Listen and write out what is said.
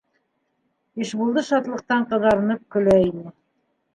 Ишбулды шатлыҡтан ҡыҙарынып көлә ине.